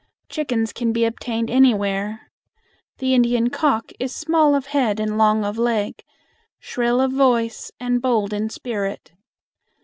Chickens can be obtained anywhere. The Indian cock is small of head and long of leg, shrill of voice and bold in spirit.